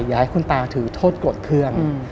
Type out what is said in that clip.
อย่าให้คุณตาถือโทษกฎเพื่อง